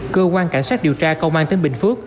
cơ quan cảnh sát điều tra công an tỉnh bình phước